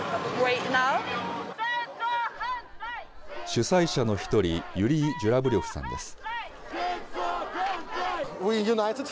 主催者の一人、ユリー・ジュラブリョフさんです。